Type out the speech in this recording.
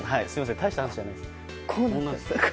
大した話じゃないです。